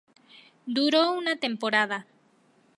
Duró una temporada.